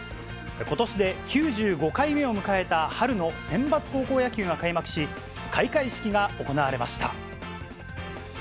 ことしで９５回目を迎えた春のセンバツ高校野球が開幕し、開会式が行われました。